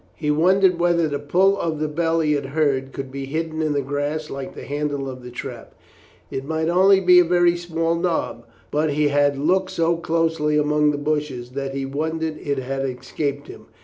He wondered whether the pull of the bell he had heard could be hidden in the grass like the handle of the trap. It might only be a very small knob, but he had looked so closely among the bushes that he wondered it had escaped him.